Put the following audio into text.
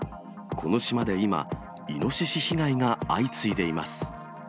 この島で今、イノシシ被害が相次いでいます。